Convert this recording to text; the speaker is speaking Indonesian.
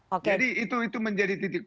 jadi itu menjadi titik poin